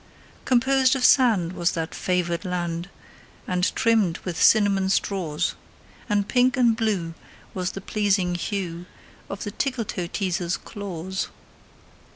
Composed of sand was that favored land, And trimmed with cinnamon straws; And pink and blue was the pleasing hue Of the Tickletoeteaser's claws.